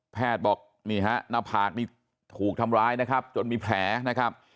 แพทย์บอกนี่ฮะนาภาษณ์ถูกทำร้ายนะครับจนมีแผลนะครับ